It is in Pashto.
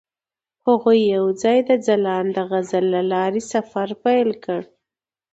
هغوی یوځای د ځلانده غزل له لارې سفر پیل کړ.